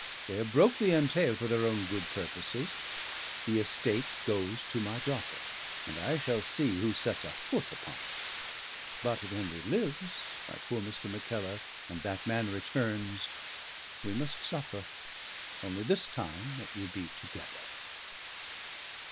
They have broke the entail for their own good purposes; the estate goes to my daughter; and I shall see who sets a foot upon it. But if Henry lives, my poor Mr. Mackellar, and that man returns, we must suffer: only this time it will be together."